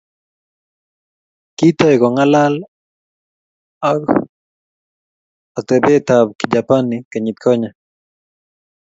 kitoi kong'alal ak otebetab Kijapani kenyitkonye